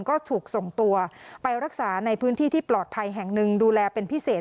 ก็ถูกส่งตัวไปรักษาในพื้นที่ที่ปลอดภัยแห่งหนึ่งดูแลเป็นพิเศษ